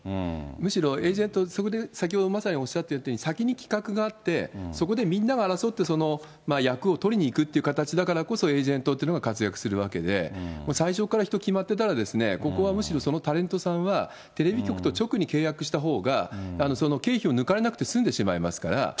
むしろ、エージェント、そこで先にまさにおっしゃっていたように、先が企画があって、そこでみんなが争ってその役を取りにいくって形だからこそ、エージェントというのが活躍するわけで、最初から人決まっていたら、ここはむしろそのタレントさんは、テレビ局と直に契約したほうが、経費を抜かれなくてすんでしまいますから。